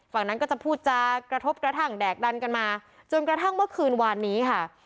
ฝั่งนั้นก็จะพูดจากกระทบกระทั่งแดกดันกันมาจนกระทั่งเมื่อคืนวานนี้ค่ะ